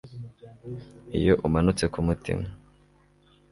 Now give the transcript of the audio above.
Iyo umanutse kumutima